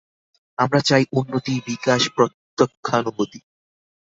আমরা চাই উন্নতি, বিকাশ, প্রত্যক্ষানুভূতি।